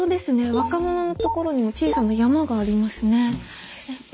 若者の所にも小さな山がありますね。